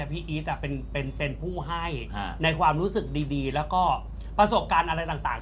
พี่อีทเป็นผู้ให้ในความรู้สึกดีแล้วก็ประสบการณ์อะไรต่าง